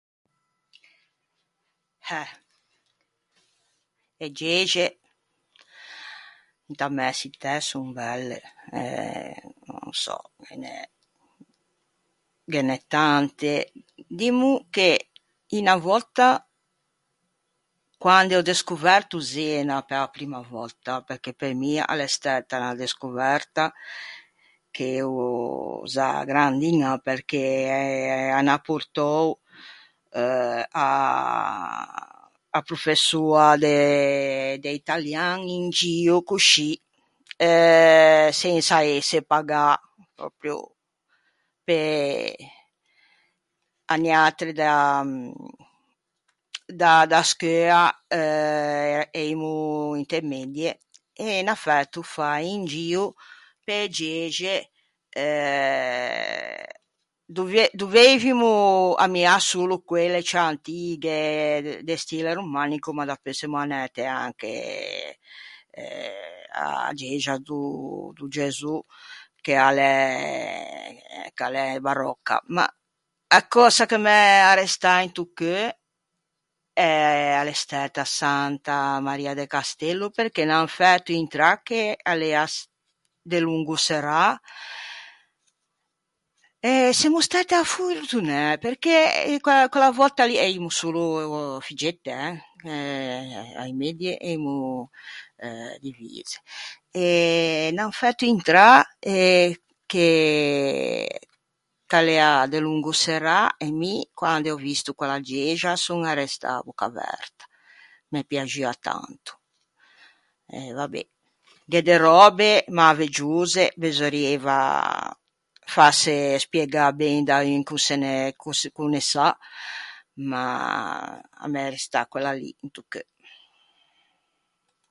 Eh, e gexe da mæ çittæ son belle... eh... no sò... ghe n'é, ghe n'é tante. Dimmo che unna vòtta, quande ò descoverto Zena pe-a primma vòtta, perché pe mi a l'é stæta unna descoverta, che eo za grandiña, perché a n'à portou euh a a professoa de de italian in gio, coscì, euh, sensa ëse pagâ, pròpio, pe, à niatri da da da scheua, eh, eimo inte medie, e n'à fæto fâ un gio pe-e gexe. Eh... dovie- doveivimo ammiâ solo quelle ciù antighe, de stile romanico, ma dapeu semmo anæte anche a-a gexa do Gesù, che a l'é, ch'a l'é baròcca. Ma a cösa ch'a m'é arrestâ into cheu, eh, a l'é stæta Santa Maria de Castello, perché n'an fæto intrâ che a l'ea s- delongo serrâ. E semmo stæte affortunæ perché que- quella vòtta lì, eimo solo figgette eh, a-e medie eimo divise. E n'an fæto intrâ, eh, che ch'a l'ea delongo serrâ, e mi quande ò visto quella gexa son arrestâ à bocca averta, m'é piaxua tanto. E vabé. Gh'é de röbe mäveggiose, besorrieiva fâse spiegâ ben da un ch'o se ne... ch'o se... ch'o ne sa, ma a m'é arrestâ quella lì into cheu.